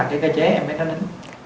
cái cơ chế em bé nó nín